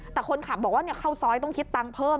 แต่คนขับบอกว่าเข้าซอยต้องคิดตังค์เพิ่ม